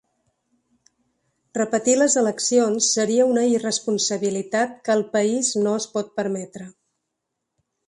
Repetir les eleccions seria una irresponsabilitat que el país no es pot permetre.